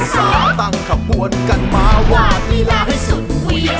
ซ่าซ่ายกกำลังซ่าออกมาสู้